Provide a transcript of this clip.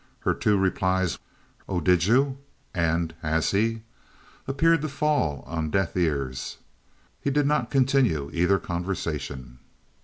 Her two replies, "Oh, did you?" and "Has he?" appeared to fall on deaf ears. He did not continue either conversation.